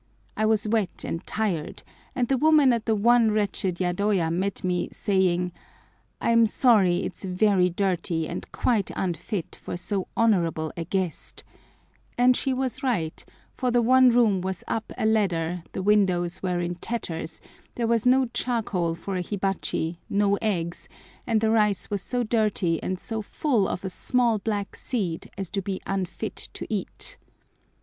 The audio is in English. I was wet and tired, and the woman at the one wretched yadoya met me, saying, "I'm sorry it's very dirty and quite unfit for so honourable a guest;" and she was right, for the one room was up a ladder, the windows were in tatters, there was no charcoal for a hibachi, no eggs, and the rice was so dirty and so full of a small black seed as to be unfit to eat.